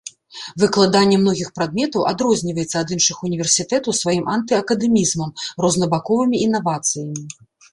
Выкладанне многіх прадметаў адрозніваецца ад іншых універсітэтаў сваім анты-акадэмізмам, рознабаковымі інавацыямі.